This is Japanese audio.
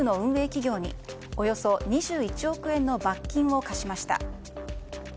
企業におよそ２１億円の罰金を科しました。